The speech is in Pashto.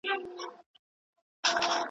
د نیمي شپې تیاره ده دا آذان په باور نه دی .